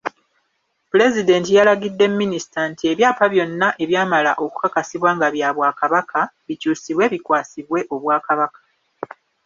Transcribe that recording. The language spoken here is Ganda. Pulezidenti yalagidde Minisita nti ebyapa byonna ebyamala okukakasibwa nga bya Bwakabaka, bikyusibwe bikwasibwe Obwakabaka.